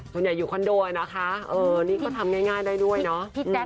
ส่วนใหญ่อยู่คอนโดนะคะนี่ก็ทำง่ายได้ด้วยนะ